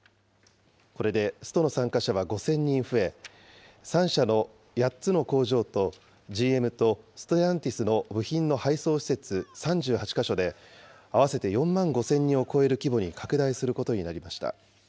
これでストの参加者は５０００人増え、３社の８つの工場とＧＭとステランティスの部品の配送施設３８か所で、合わせて４万５０００人を超える規模に拡大することになりました。